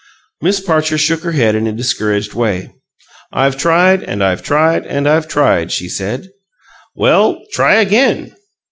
Mrs. Parcher shook her head in a discouraged way. "I've tried, and I've tried, and I've tried!" she said. "Well, try again."